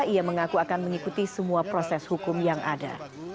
ia mengaku akan mengikuti semua proses hukum yang ada